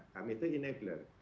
kami itu enabler